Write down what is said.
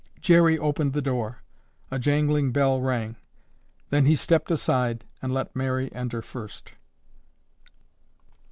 Jerry opened the door, a jangling bell rang; then he stepped aside and let Mary enter first.